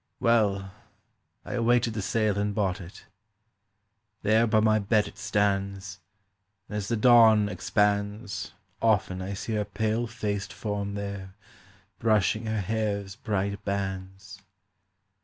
"Well, I awaited the sale and bought it ... There by my bed it stands, And as the dawn expands Often I see her pale faced form there Brushing her hair's bright bands.